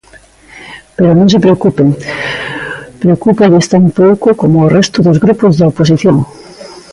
Pero non se preocupen: preocúpalles tan pouco como ao resto dos grupos da oposición.